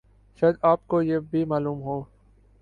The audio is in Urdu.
شاید آپ کو یہ بھی معلوم ہو